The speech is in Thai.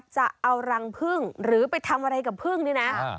จะเอารังพึ่งหรือไปทำอะไรกับพึ่งนี่นะ